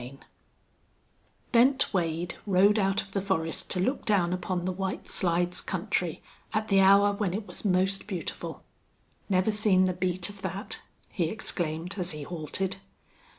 CHAPTER V Bent Wade rode out of the forest to look down upon the White Slides country at the hour when it was most beautiful. "Never seen the beat of that!" he exclaimed, as he halted.